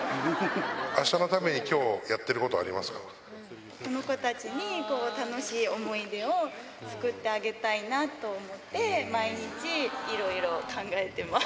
あしたのためにきょうやってこの子たちにこう、楽しい思い出を作ってあげたいなと思って、毎日いろいろ考えてます。